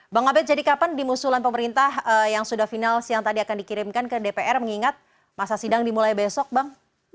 bang abed jadi kapan di musulan pemerintah yang sudah final siang tadi akan dikirimkan ke dpr mengingat masa sidang dimulai besok bang